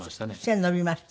背伸びました？